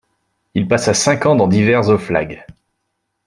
Il passa cinq ans dans divers Oflag.